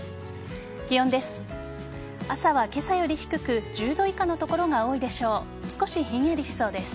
気温です。